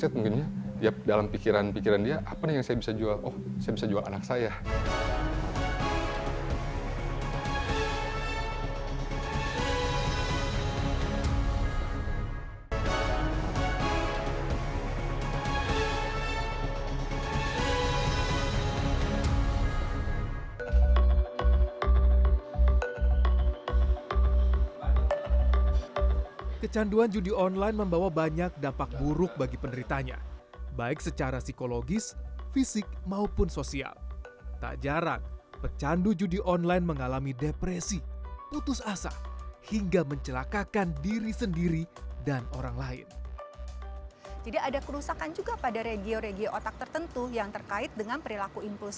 tergantung perputaran yang dihasilkan dari yang selalu